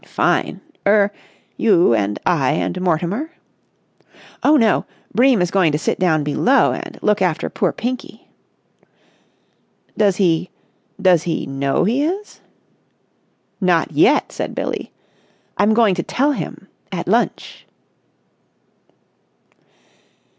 "Fine! Er—you and I and Mortimer?" "Oh no, Bream is going to sit down below and look after poor Pinky." "Does he—does he know he is?" "Not yet," said Billie. "I'm going to tell him at lunch."